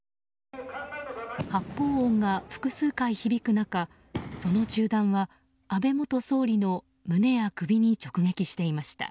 発砲音が複数回、響く中その銃弾は、安倍元総理の胸や首に直撃していました。